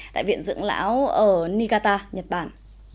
tại viện dưỡng lão ở niigata nhật bản